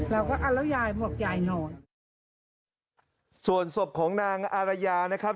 อ่าแล้วยายบอกยายนอนส่วนศพของนางอารยานะครับ